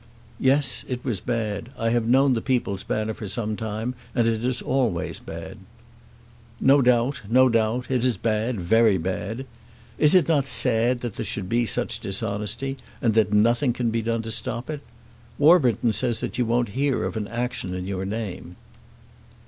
"Yes; it was bad. I have known the 'People's Banner' for some time, and it is always bad." "No doubt; no doubt. It is bad, very bad. Is it not sad that there should be such dishonesty, and that nothing can be done to stop it? Warburton says that you won't hear of an action in your name."